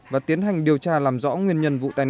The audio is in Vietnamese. và tiến hành điều tra làm rõ nguyên nhân vụ tai nạn